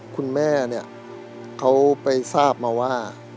คุณแม่เนี่ยเขาไปทราบมาว่า